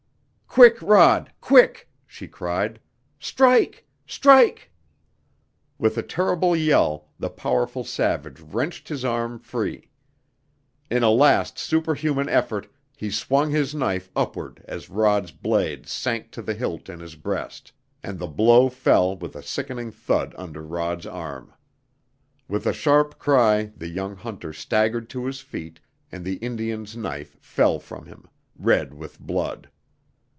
"Quick, Rod quick!" she cried. "Strike! Strike!" With a terrible yell the powerful savage wrenched his arm free; in a last superhuman effort he swung his knife upward as Rod's blade sank to the hilt in his breast, and the blow fell with a sickening thud under Rod's arm. With a sharp cry the young hunter staggered to his feet, and the Indian's knife fell from him, red with blood.